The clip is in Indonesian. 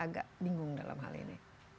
agak bingung dalam hal ini